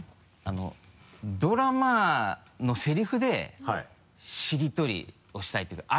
ドラマのセリフでしりとりをしたいというか。